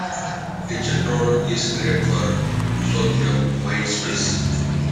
Kitchen roll is great for soaking up wine spills.